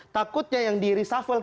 takutnya yang di reshuffle